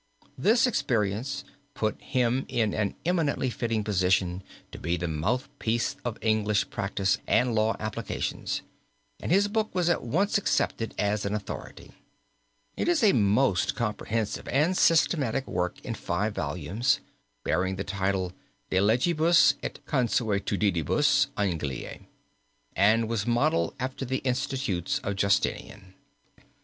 This experience put him in an eminently fitting position to be the mouthpiece of English practice and law applications, and his book was at once accepted as an authority. It is a most comprehensive and systematic work in five volumes, bearing the title De Legibus et Consuetudinibus Angliae, and was modeled after the Institutes of Justinian.